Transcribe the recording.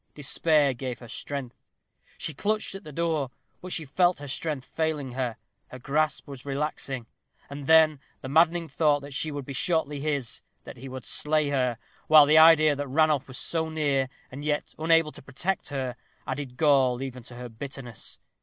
Despair gave her strength; she clutched at the door; but she felt her strength failing her her grasp was relaxing. And then the maddening thought that she would be shortly his that he would slay her while the idea that Ranulph was so near, and yet unable to protect her, added gall even to her bitterness.